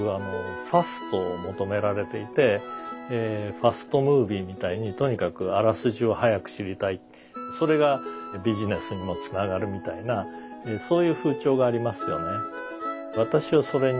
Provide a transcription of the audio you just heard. ファストムービーみたいにとにかくあらすじを早く知りたいそれがビジネスにもつながるみたいなそういう風潮がありますよね。